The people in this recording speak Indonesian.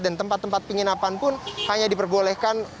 dan tempat tempat penginapan pun hanya diperbolehkan